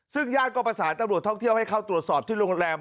ซึ่งญาติก็ประสานตำรวจท่องเที่ยวให้เข้าตรวจสอบที่โรงแรม